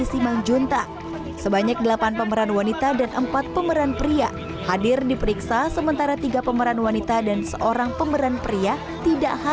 simangjunta sebanyak delapan pemeran wanita dan empat pemeran pria hadir diperiksa sementara tiga